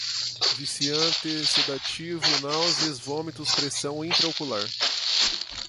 viciante, sedativo, náuseas, vômitos, pressão intra-ocular